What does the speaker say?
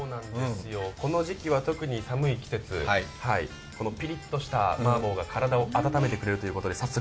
この時期は特に寒い季節ピリッとしたマーボーが体を温めてくれるということで。